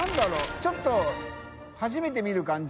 ちょっと初めて見る感じ。